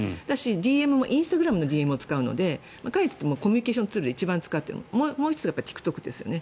ＤＭもインスタグラムのＤＭを使うので若い人ってコミュニケーションツールで一番使っているのが、もう１つはＴｉｋＴｏｋですよね。